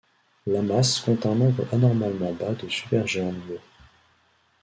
L'amas compte un nombre anormalement bas de supergéantes bleues.